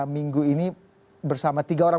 minggu ini bersama tiga orang